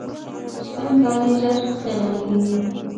سپین کالي ژر خیرنېږي.